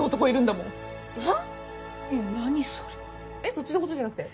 そっちのことじゃなくて？